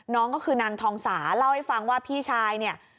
น้องก็คือนางทองสาเล่าให้ฟังว่าพี่ชายเนี่ย